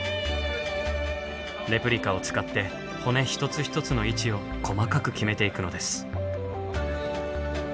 レプリカを使って骨一つ一つの位置を細かく決めていくのです。